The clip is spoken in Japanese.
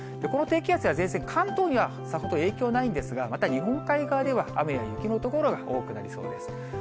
この低気圧や前線、関東にはさほど影響ないんですが、また日本海側では雨や雪の所が多くなりそうです。